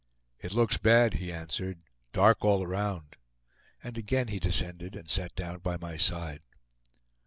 "It looks bad," he answered; "dark all around," and again he descended and sat down by my side.